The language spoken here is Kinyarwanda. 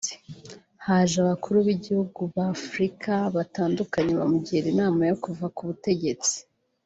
haje abakuru b’ibihugu ba Afurika batandukanye bamugira inama yo kuva ku butegetsi